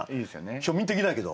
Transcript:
庶民的だけど。